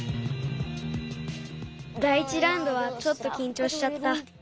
だい１ラウンドはちょっときんちょうしちゃった。